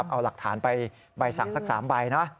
เอาหลักฐานไปใบสั่งสัก๓ใบนะ